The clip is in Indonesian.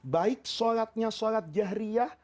baik sholatnya sholat jahriyah